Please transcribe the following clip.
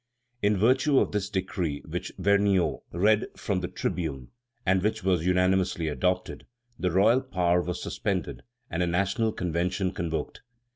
In virtue of this decree, which Vergniaud read from the tribune, and which was unanimously adopted, the royal power was suspended and a National Convention convoked.